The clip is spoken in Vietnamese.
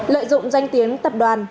lợi dụng danh tiếng tập đoàn